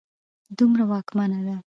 دومره واکمنه ده